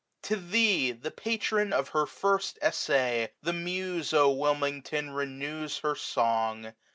To thee, the patron of her first essay. The Muse, O Wilmington! renews her song.